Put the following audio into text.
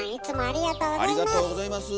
ありがとうございます。